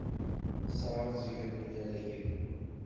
Tesɛeẓgem inaragen.